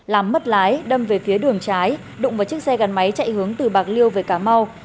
làm mất lái đâm về phía đường trái đụng vào chiếc xe gắn máy chạy hướng từ bạc liêu về cà mau